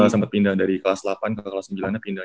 sempat pindah dari kelas delapan ke kelas sembilan nya pindah